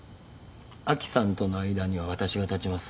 亜紀さんとの間には私が立ちます。